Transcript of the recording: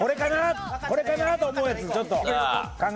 これかなと思うやつちょっと考えて。